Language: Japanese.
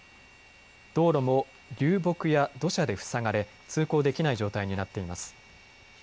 道路も流木や土砂で塞がれ通行できない状態になっています。